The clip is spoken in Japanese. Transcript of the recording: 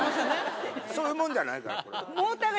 そういうもんじゃないからこれ。